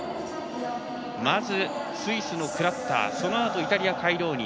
まず、スイスのクラッターそのあと、イタリアカイローニ。